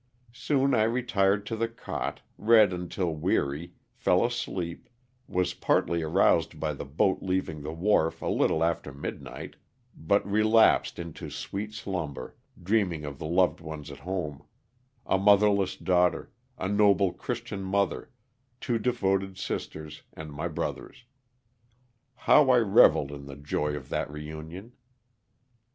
Soon I retired to the cot, read until weary, fell asleep, was partly aroused by the boat leaving the wharf a little after midnight, but relapsed into sweet slumber, dream ng of the loved ones at home — a motherless daughter, a noble christian mother, two devoted sisters, and my brothers. How I reveled in the joy of the reunion.